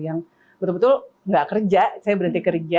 yang betul betul nggak kerja saya berhenti kerja